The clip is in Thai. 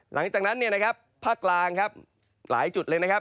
หลังจากนั้นเนี่ยนะครับภาคกลางครับหลายจุดเลยนะครับ